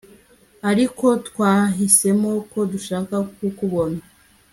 ariko twahisemo ko dushaka kukubona